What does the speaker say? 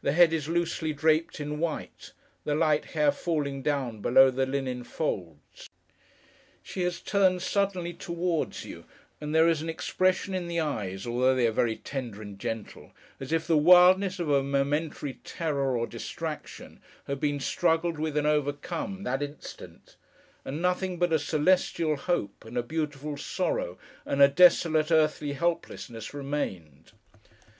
The head is loosely draped in white; the light hair falling down below the linen folds. She has turned suddenly towards you; and there is an expression in the eyes—although they are very tender and gentle—as if the wildness of a momentary terror, or distraction, had been struggled with and overcome, that instant; and nothing but a celestial hope, and a beautiful sorrow, and a desolate earthly helplessness remained.